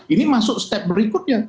ini masuk step berikutnya